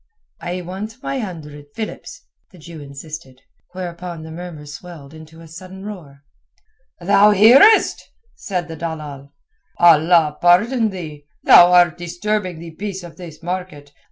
"I want my hundred philips," the Jew insisted, whereupon the murmur swelled into a sudden roar. "Thou hearest?" said the dalal. "Allah pardon thee, thou art disturbing the peace of this market.